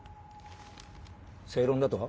正論だと！？